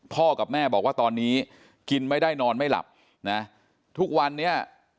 กับแม่บอกว่าตอนนี้กินไม่ได้นอนไม่หลับนะทุกวันนี้